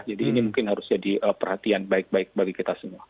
jadi ini mungkin harus jadi perhatian baik baik bagi kita semua